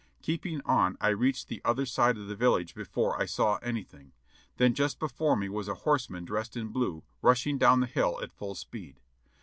Keeping on I reached the other side of the village before I saw anything; then just before me was a horseman dressed in blue, rushing down the hill at full speed.